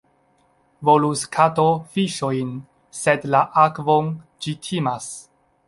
Volus kato fiŝojn, sed la akvon ĝi timas.